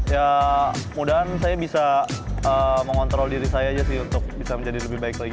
ya mudah mudahan saya bisa mengontrol diri saya aja sih untuk bisa menjadi lebih baik lagi